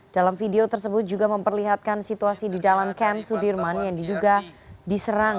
dalam video tersebut juga memperlihatkan situasi di dalam kamp sudirman yang diduga diserang